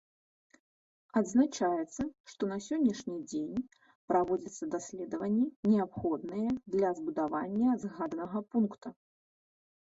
Адзначаецца, што на сённяшні дзень праводзяцца даследаванні, неабходныя для збудавання згаданага пункта.